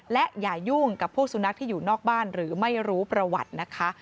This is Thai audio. และอย่ายุ่งกับพวกสุนัขที่อยู่นอกบ้านหรือไม่รู้ประวัตินะคะ